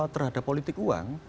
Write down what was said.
terhadap politik uang